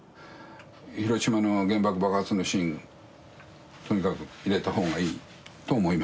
広島の原爆爆発のシーンとにかく入れたほうがいいと思いますというね。